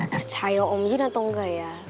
tercahaya om jin atau enggak ya